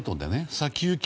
先行き